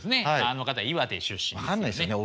あの方岩手出身ですよね。